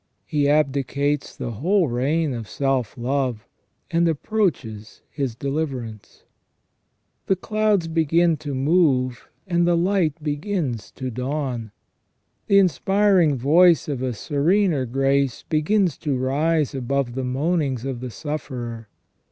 He abdicates the whole reign of self love, and approaches his deliverance. The clouds begin to move, and the light begins to dawn. The inspiring voice of a serener grace begins to rise above the mean ings of the sufferer.